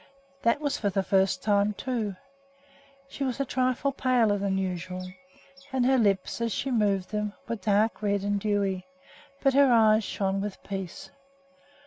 That was for the first time, too. She was a trifle paler than usual, and her lips, as she moved them, were dark red and dewy; but her eyes shone with peace.